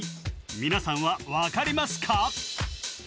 皆さんは分かりますか？